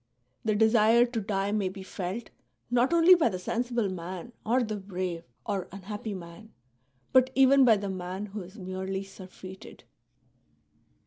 The desire to die may be felt, not only by the sensible man or the brave or unhappy man, but even by the man who is merely surfeited."